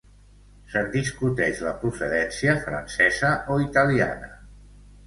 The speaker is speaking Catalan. se'n discuteix la procedència francesa o italiana